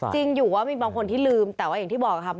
จริงอยู่ว่ามีบางคนที่ลืมแต่ว่าอย่างที่บอกครับ